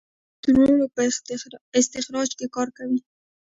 دوی د پټرولو په استخراج کې کار کوي.